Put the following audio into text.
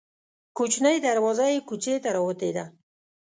کوچنۍ دروازه یې کوڅې ته راوتې ده.